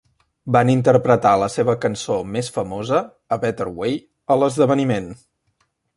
Van interpretar la seva cançó més famosa, "A Better Way", a l'esdeveniment.